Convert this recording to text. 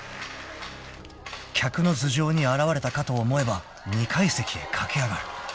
［客の頭上に現れたかと思えば２階席へ駆け上がる］